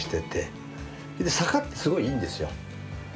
それで坂ってすごいいいんですよ。